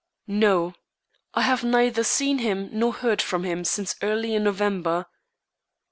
"No. I have neither seen him nor heard from him since early in November."